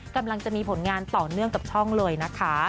กำลังจะมีผลงานต่อเนื่องกับช่องเลยนะคะ